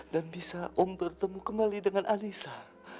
dan bisa om bertemu kembali dengan anissa